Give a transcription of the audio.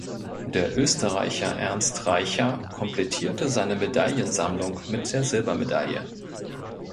Der Österreicher Ernst Reicher komplettierte seine Medaillensammlung mit der Silbermedaille.